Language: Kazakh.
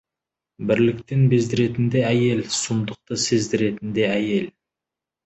Бірліктен бездіретін де әйел, сұмдықты сездіретін де әйел.